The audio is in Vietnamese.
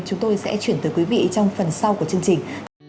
chúng tôi sẽ chuyển tới quý vị trong phần sau của chương trình